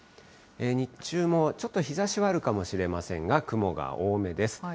日中もちょっと日ざしはあるかもしれませんが、雲が多めです。